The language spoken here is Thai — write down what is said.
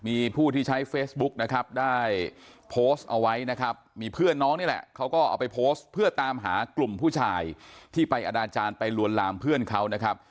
มีผู้ที่ใช้เฟซบุ๊กนะครับได้โพสต์เอาไว้นะครับมีเพื่อนน้องนี่แหละเขาก็เอาไปโพสต์เพื่อตามหากลุ่มผู้ชายที่ไปอนาจารย์ไปลวนลามเพื่อนเขานะครับ